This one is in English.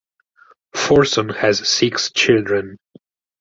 Forson has six children.